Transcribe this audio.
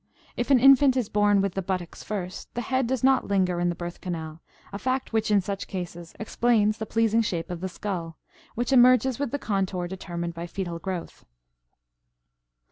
If an infant is born with the buttocks first, the head does not linger in the birth canal, a fact which in such cases explains the pleasing shape of the skull, which emerges with the contour determined by fetal growth.